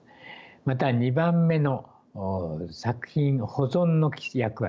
また２番目の作品保存の役割。